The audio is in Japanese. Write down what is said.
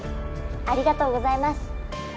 ありがとうございます！